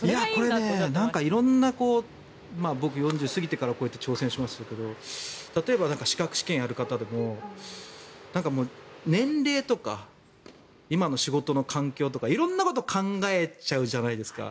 なんか色んな僕、４０過ぎてからこうやって挑戦しましたけど例えば、資格試験をやる方でも年齢とか今の仕事の環境とか色んなこと考えちゃうじゃないですか